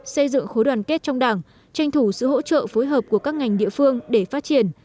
xây dựng khối đoàn kết trong đảng tranh thủ sự hỗ trợ phối hợp của các ngành địa phương để phát triển